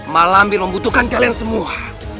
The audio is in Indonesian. malampir membutuhkan kalian semua